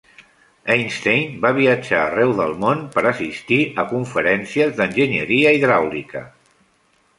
Einsten va viatjar arreu del món per assistir a conferències d'enginyeria hidràulica.